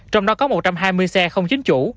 trong đó có một trăm hai mươi xe không chính chủ